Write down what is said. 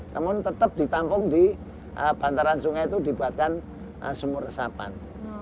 namun tetap ditampung di bantaran sungai itu dibuatkan sumur resapan